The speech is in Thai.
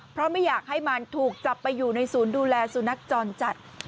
เพราะไม่อยากให้มันถูกจับไปอยู่ในศูนย์ดูแลสุนัขจรจัด